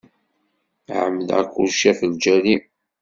Ԑemmdeɣ kulci ɣef lǧal-im.